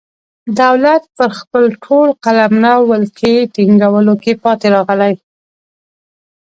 دولت پر خپل ټول قلمرو ولکې ټینګولو کې پاتې راغلی.